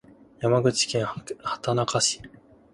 山口県畑中市